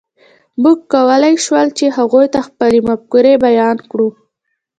موږ کولی شول، چې هغوی ته خپلې مفکورې بیان کړو.